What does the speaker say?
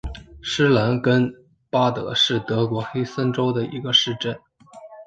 施兰根巴德是德国黑森州的一个市镇。